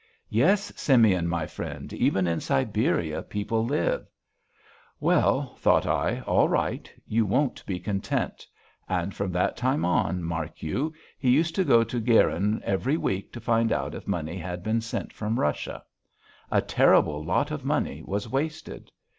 'Yes, Simeon, my friend, even in Siberia people live.' Well, thought I, all right, you won't be content. And from that time on, mark you, he used to go to Guyrin every week to find out if money had been sent from Russia. A terrible lot of money was wasted.